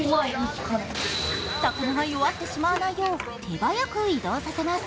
魚が弱ってしまわないよう手早く移動させます。